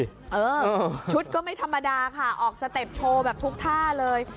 เออชุดก็ไม่ธรรมดาค่ะออกสเต็ปโชว์แบบทุกท่าเลย